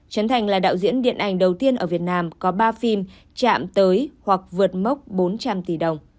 trấn thành là đạo diễn điện ảnh đầu tiên ở việt nam có ba phim chạm tới hoặc vượt mốc bốn trăm linh tỷ đồng